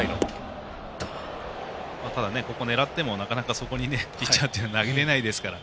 ただ、ここを狙ってもなかなかそこにいっちゃうので投げられないですから。